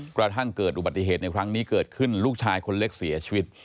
กระทั่งเกิดอุบัติเหตุในครั้งนี้เกิดขึ้นลูกชายคนเล็กเสียชีวิต